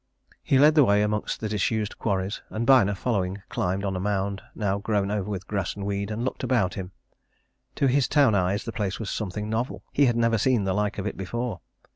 He led the way amongst the disused quarries, and Byner, following, climbed on a mound, now grown over with grass and weed, and looked about him. To his town eyes the place was something novel. He had never seen the like of it before.